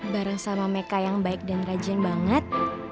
bareng sama mereka yang baik dan rajin banget